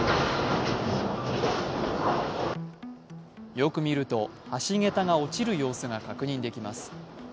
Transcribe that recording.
よく見ると橋桁が落ちる様子が確認できます。